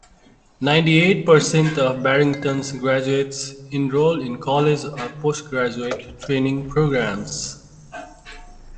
Ninety-eight percent of Barrington's graduates enroll in college or post-graduate training programs.